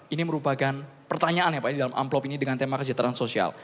ini merupakan pertanyaan ya pak di dalam amplop ini dengan tema kesejahteraan sosial